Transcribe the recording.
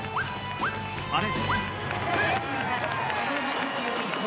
「あれ？」